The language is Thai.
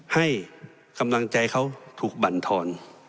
ให้กำลังใจเขาถูกบรรทอน